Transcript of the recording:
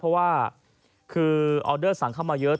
เพราะว่าคือออเดอร์สั่งเข้ามาเยอะ